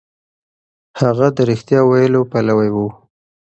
هغه د رښتيا ويلو پلوی و.